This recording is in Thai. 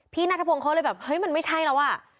นัทพงศ์เขาเลยแบบเฮ้ยมันไม่ใช่แล้วอ่ะ